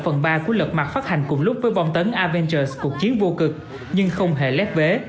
phần ba của lật mặt phát hành cùng lúc với bom tấn aventis cuộc chiến vô cực nhưng không hề lép vế